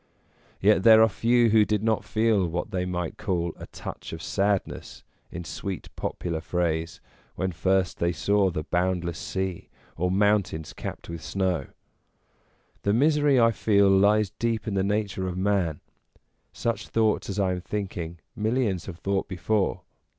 Yet there are few who did not feel what they might call a " touch of sadness " in sweet popular phrase, when first they saw the bound less sea, or mountains capped with snow. The misery I feel lies deep in the nature of man ; such thoughts as I am thinking, millions have thought before.